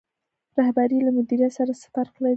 رهبري له مدیریت سره څه فرق لري؟